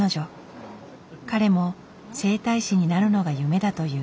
彼も整体師になるのが夢だという。